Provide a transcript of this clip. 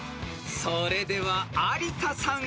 ［それでは有田さん